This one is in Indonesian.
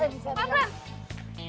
kamu mau bajain